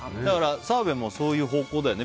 澤部もそういう方向だよね。